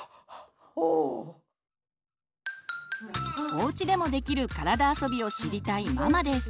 おうちでもできる体あそびを知りたいママです。